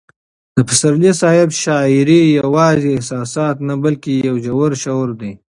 د پسرلي صاحب شاعري یوازې احساسات نه بلکې یو ژور شعور دی.